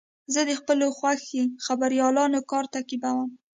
زه د خپلو خوښې خبریالانو کار تعقیبوم.